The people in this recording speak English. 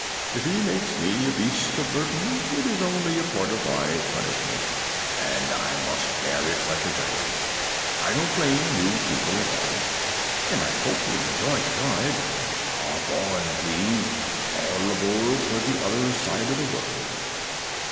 If he makes me a beast of burden, it is only a part of my punishment, and I must bear it like a dragon. I don't blame you people at all, and I hope you'll enjoy the ride. Hop on, please. All aboard for the other side of the world!"